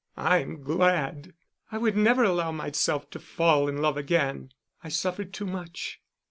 "I'm glad." "I would never allow myself to fall in love again. I suffered too much."